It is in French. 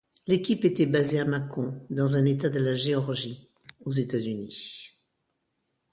L'équipe était basée à Macon dans l'État de la Géorgie aux États-Unis.